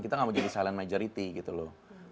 kita nggak mau jadi silent majority gitu loh